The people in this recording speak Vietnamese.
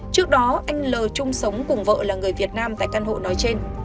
trước đó anh l chung sống cùng vợ là người việt nam tại căn hộ nói trên